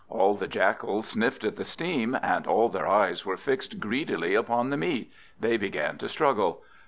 All the Jackals sniffed at the steam, and all their eyes were fixed greedily upon the meat. They began to struggle.